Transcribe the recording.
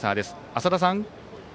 浅田さん。